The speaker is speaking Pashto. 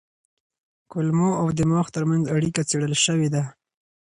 کولمو او دماغ ترمنځ اړیکه څېړل شوې ده.